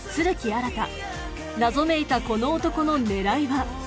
新謎めいたこの男の狙いは？